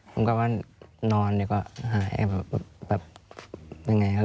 ผมก็ว่านอนเดี๋ยวก็หาย